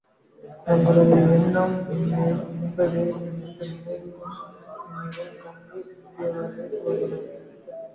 தங்களது எண்ணம் என்ன என்பதை எனது மனைவியும் என்னிடம் கண்ணீர் சிந்தியவாறே கூறினாள்.